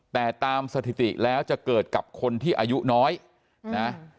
แต่ตามสถิติแล้วจะเกิดกับคนที่อายุน้อยนะ